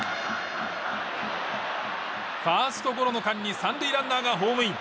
ファーストゴロの間に３塁ランナーがホームイン。